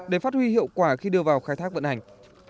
để phát huy hiệu quả khi đưa vào khai thác vận hành